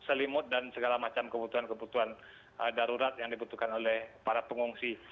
selimut dan segala macam kebutuhan kebutuhan darurat yang dibutuhkan oleh para pengungsi